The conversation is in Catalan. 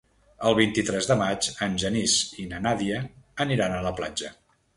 El vint-i-tres de maig en Genís i na Nàdia aniran a la platja.